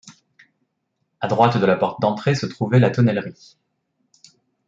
À droite de la porte d'entrée se trouvait la tonnellerie.